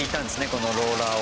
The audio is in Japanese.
このローラーを。